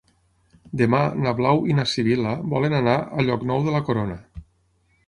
Demà na Blau i na Sibil·la volen anar a Llocnou de la Corona.